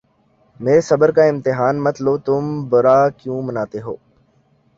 میرے صبر کا امتحان مت لو تم برا کیوں مناتے ہو